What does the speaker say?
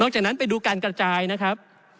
จากนั้นไปดูการกระจายนะครับ